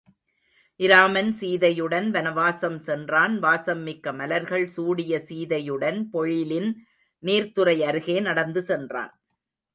இராமன் சீதையுடன் வனவாசம் சென்றான் வாசம் மிக்க மலர்கள் சூடிய சீதையுடன் பொழிலின் நீர்த்துறை அருகே நடந்து சென்றான்.